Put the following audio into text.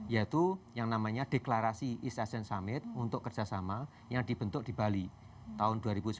yaitu yang namanya deklarasi east asean summit untuk kerjasama yang dibentuk di bali tahun dua ribu sembilan belas